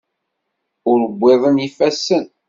Ur wwiḍen yifassen.